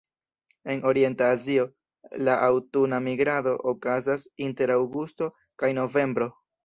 En orienta Azio, la aŭtuna migrado okazas inter aŭgusto kaj novembro.